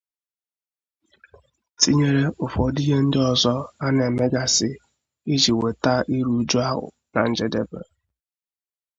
tinyere ụfọdụ ihe ndị ọzọ a na-emegasị iji wèta iru uju ahụ na njedobe